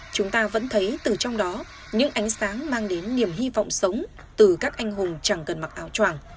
chúng ta vẫn thấy từ trong đó những ánh sáng mang đến niềm hy vọng sống từ các anh hùng chẳng cần mặc áo tràng